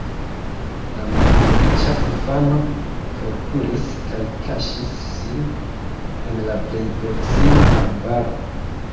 La malfeliĉa infano forkuris kaj kaŝis sin en la plej proksima arbaro.